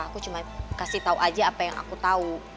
aku cuma kasih tau aja apa yang aku tau